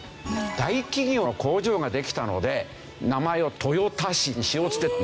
大企業の工場ができたので名前を「豊田市」にしようといってなったんですよ。